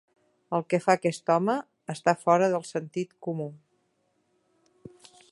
El que fa aquest home està fora del sentit comú.